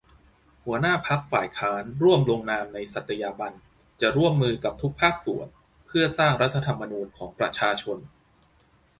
หัวหน้าพรรคฝ่ายค้านร่วมลงนามในสัตยาบันจะร่วมมือกับทุกภาคส่วนเพื่อสร้าง รัฐธรรมนูญ ของประชาชน